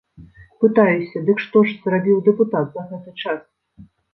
Пытаюся, дык што ж зрабіў дэпутат за гэты час?